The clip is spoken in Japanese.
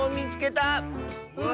うわ！